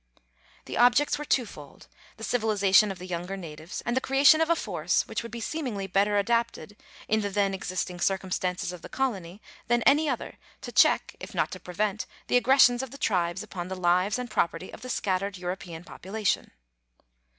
The objects were two fold the civilization of the younger natives, and the creation of a force which would be seemingly better adapted, in the then existing circumstances of the colony, than any other to check, if not to prevent, the aggressions of the tribes upon the lives and property of the scattered European population.